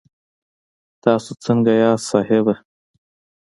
تاسو سنګه یاست صاحبه